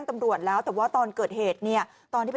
อ้อฟ้าอ้อฟ้าอ้อฟ้าอ้อฟ้าอ้อฟ้า